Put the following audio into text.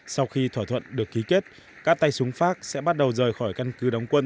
sau khi thỏa thuận được ký kết các tay súng phát sẽ bắt đầu rời khỏi căn cứ đóng quân